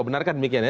benarkah demikian ya